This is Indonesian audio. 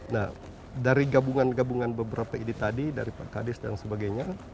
nah dari gabungan gabungan beberapa ide tadi dari pak kadis dan sebagainya